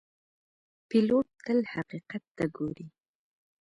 پیلوټ تل حقیقت ته ګوري.